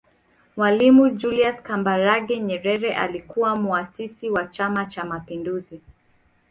Mwalimu Julius Kambarage Nyerere alikuwa Muasisi wa Chama Cha Mapinduzi